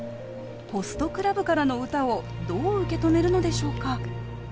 「ホストクラブ」からの歌をどう受け止めるのでしょうか。